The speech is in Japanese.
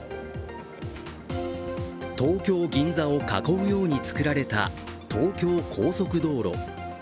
東京・銀座を囲うように造られた東京高速道路。